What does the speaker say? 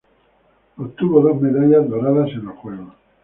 Obtuvo dos medallas doradas en los juegos.